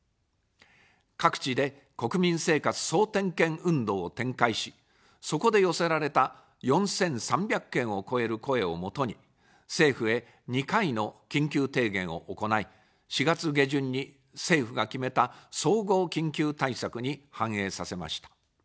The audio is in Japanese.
各地で国民生活総点検運動を展開し、そこで寄せられた４３００件を超える声をもとに、政府へ２回の緊急提言を行い、４月下旬に政府が決めた総合緊急対策に反映させました。